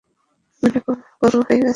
মনে কর হয়ে গেছে।